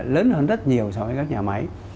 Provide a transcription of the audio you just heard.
lớn hơn rất nhiều so với các nhà máy